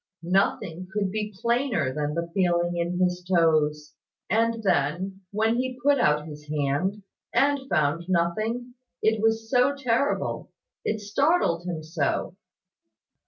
Nothing could be plainer than the feeling in his toes: and, then, when he put out his hand, and found nothing, it was so terrible it startled him so.